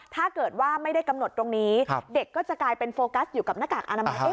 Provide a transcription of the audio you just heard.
ถ้าเกิดว่าไม่ได้กำหนดตรงนี้เด็กก็จะกลายเป็นโฟกัสอยู่กับหน้ากากอนามัย